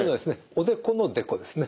おでこのデコですね。